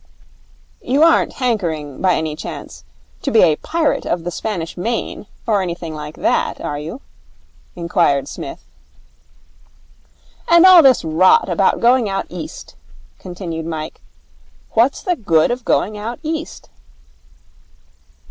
'You aren't hankering, by any chance, to be a pirate of the Spanish main, or anything like that, are you?' inquired Psmith. 'And all this rot about going out East,' continued Mike. 'What's the good of going out East?'